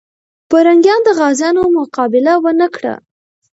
پرنګیان د غازيانو مقابله ونه کړه.